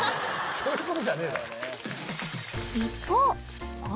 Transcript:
そういうことじゃねえだろ。